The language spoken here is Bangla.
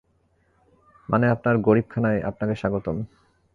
মানে আপনার গরীব খানায় আপনাকে স্বাগতম।